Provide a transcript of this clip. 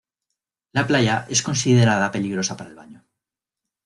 La playa es considerada peligrosa para el baño.